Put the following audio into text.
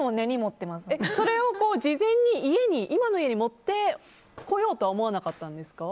それを事前に今の家に持ってこようとは思わなかったんですか？